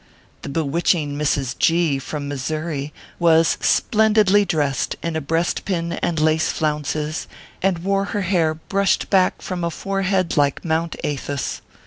The bewitching Mrs. G , from Missouri, was splendidly dressed in a breastpin and lace flounces, and wore her hair brushed back from a forehead like Mount Athos.